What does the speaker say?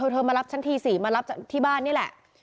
เธอมารับชั้นที๔มารับที่บ้านนี่แหละ